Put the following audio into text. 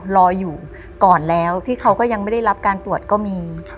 รออยู่ก่อนแล้วที่เขาก็ยังไม่ได้รับการตรวจก็มี